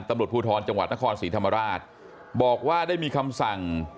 ตำรวจภูทรจังหวัดนครศรีธรรมราชบอกว่าได้มีคำสั่ง